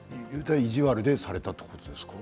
意地悪でされたということですか。